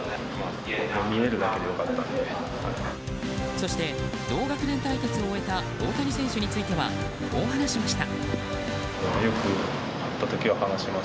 そして同学年対決を終えた大谷選手についてはこう話しました。